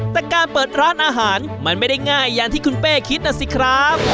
แต่การเปิดร้านอาหารมันไม่ได้ง่ายอย่างที่คุณเป้คิดนะสิครับ